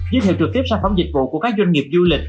giới thiệu trực tiếp sản phẩm dịch vụ của các doanh nghiệp du lịch